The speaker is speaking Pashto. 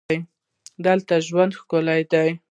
دلته ژوند ښکلی دی.